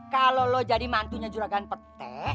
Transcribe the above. kalau lo jadi mantunya juragan pete